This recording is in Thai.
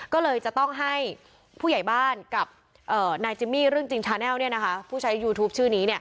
ก็เลยจะต้องให้ผู้ใหญ่บ้านกับนายจิมมี่เรื่องจริงชาแนลผู้ใช้ยูทูปชื่อนี้